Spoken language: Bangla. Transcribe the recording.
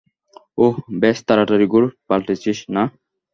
ওহ, বেশ তাড়াতাড়ি ঘোর পাল্টেছিস, না?